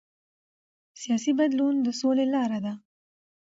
سیاسي بدلون د سولې لاره ده